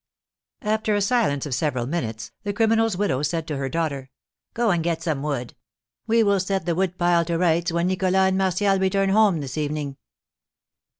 After a silence of several minutes, the criminal's widow said to her daughter: "Go and get some wood; we will set the wood pile to rights when Nicholas and Martial return home this evening."